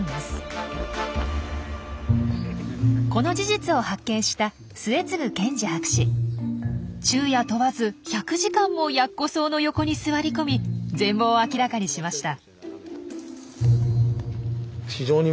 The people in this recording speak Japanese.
この事実を発見した昼夜問わず１００時間もヤッコソウの横に座り込み全貌を明らかにしました。